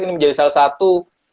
ini menjadi salah satu